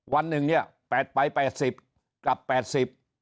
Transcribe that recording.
วันหนึ่งเนี่ยแปดไปแปดสิบกลับแปดสิบ